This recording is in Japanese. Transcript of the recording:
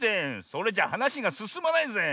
それじゃはなしがすすまないぜ。